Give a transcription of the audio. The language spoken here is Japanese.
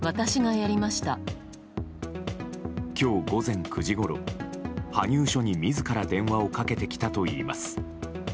今日午前９時ごろ羽生署に自ら電話をかけてきたといいます。